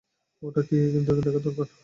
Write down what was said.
ওটা কী, দেখা দরকার।